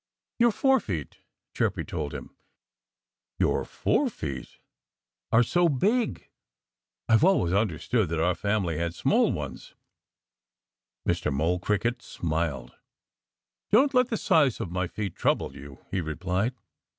"Your forefeet" Chirpy told him "your forefeet are so big! I've always understood that all our family had small ones." Mr. Mole Cricket smiled. "Don't let the size of my feet trouble you!" he replied.